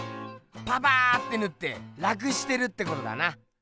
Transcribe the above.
パパーッてぬって楽してるってことだな！